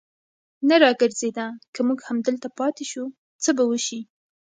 نه را ګرځېده، که موږ همدلته پاتې شو، څه به وشي.